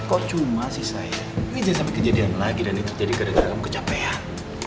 kok cuma sih sayang ini jangan sampai kejadian lagi dan ini terjadi keadaan kamu kecapean